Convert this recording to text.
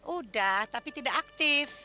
udah tapi tidak aktif